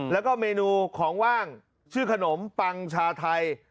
แล้วก็เมนูของว่างชื่อขนมปังชาไทย